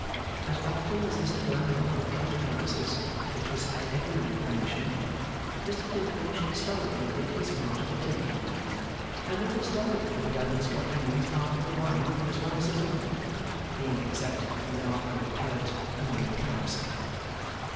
As often as Mr Blandois clinked glasses (which was at every replenishment), Mr Flintwinch stolidly did his part of the clinking, and would have stolidly done his companion's part of the wine as well as his own: being, except in the article of palate, a mere cask.